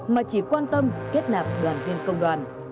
mà chỉ quan tâm kết nạp đoàn viên công đoàn